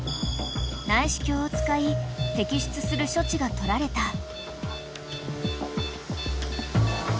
［内視鏡を使い摘出する処置が取られた］